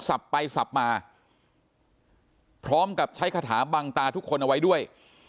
ไปสับมาพร้อมกับใช้คาถาบังตาทุกคนเอาไว้ด้วย